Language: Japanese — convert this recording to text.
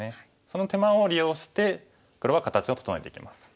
その手間を利用して黒は形を整えていきます。